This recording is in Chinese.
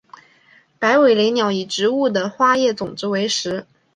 白尾雷鸟以植物的花叶种子为食。